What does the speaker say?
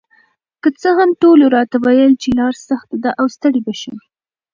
که څه هم ټولو راته ویل چې لار سخته ده او ستړې به شم،